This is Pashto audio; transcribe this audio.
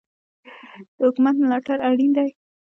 د حکومت ملاتړ اړین دی.